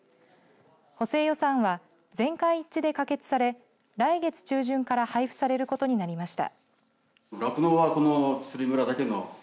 補正予算は全会一致で可決され来月中旬から配布されることになりました。